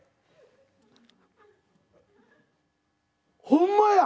ほんまや！